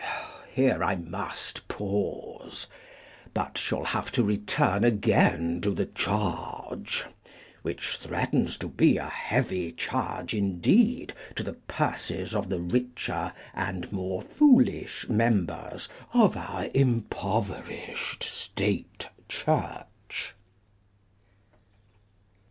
Here I must pause, but shall have to return again to the Charge, which threatens to be a heavy charge indeed to the purses of the richer and more foolish members of our impoverished State Church.